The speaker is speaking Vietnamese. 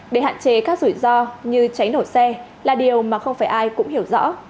để hạn chế các rủi ro như cháy nổ xe là điều mà không phải ai cũng hiểu rõ